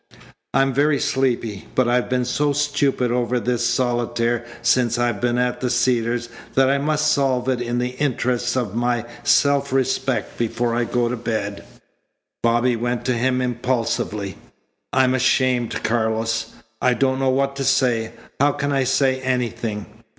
"I'm very sleepy, but I've been so stupid over this solitaire since I've been at the Cedars that I must solve it in the interest of my self respect before I go to bed." Bobby went to him impulsively. "I'm ashamed, Carlos. I don't know what to say. How can I say anything?